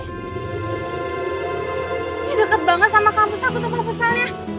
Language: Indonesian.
ini deket banget sama kampus aku tuh kampus salnya